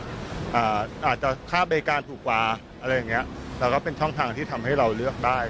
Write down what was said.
อาจจะค่าบริการถูกกว่าอะไรอย่างเงี้ยแล้วก็เป็นช่องทางที่ทำให้เราเลือกได้